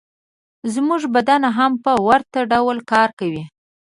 زموږ بدن هم په ورته ډول کار کوي